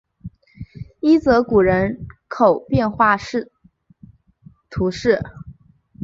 伊泽谷人口变化图示